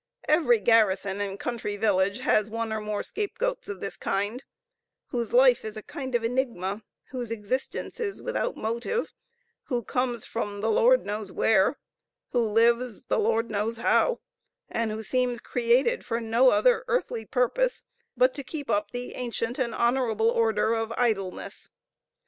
Every garrison and country village has one or more scapegoats of this kind, whose life is a kind of enigma, whose existence is without motive, who comes from the Lord knows where, who lives the Lord knows how, and who seems created for no other earthly purpose but to keep up the ancient and honorable order of idleness.